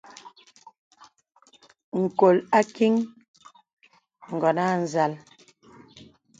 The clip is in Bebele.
Ǹkɔl àkìŋ ngɔn à nzàl.